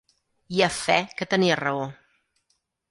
I a fe que tenia raó!